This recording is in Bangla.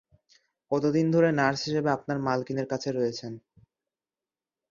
কতদিন ধরে নার্স হিসেবে আপনার মালকীনের কাছে রয়েছেন?